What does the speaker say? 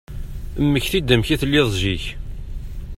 Mmekti-d amek i telliḍ zik.